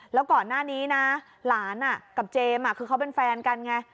แล้วก่อนหน้านี้นะหลานกับเจมส์คือเขาเป็นแฟนกันไง